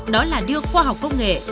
đó là đưa khoa học công nghệ